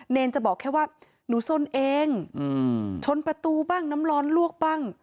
เนรจะบอกแค่ว่าหนูสนเองชนประตูบ้างน้ำร้อนลวกบ้าง